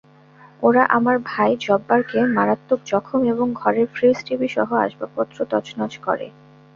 ওরা আমার ভাই জব্বারকে মারাত্মক জখম এবং ঘরের ফ্রিজ-টিভিসহ আসবাবপত্র তছনছ করে।